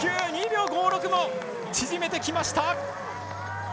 ２秒５６も縮めてきました！